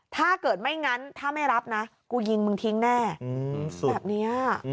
ถ้าเกิดไม่งั้นถ้าไม่รับนะกูยิงมึงทิ้งแน่แบบนี้